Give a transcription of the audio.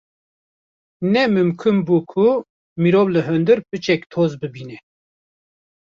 ’’Ne mimkun bû ku mirov li hundir piçek toz bibîne.